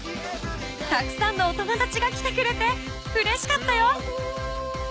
［たくさんのお友だちが来てくれてうれしかったよ！］